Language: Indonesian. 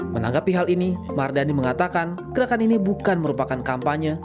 menanggapi hal ini mardani mengatakan gerakan ini bukan merupakan kampanye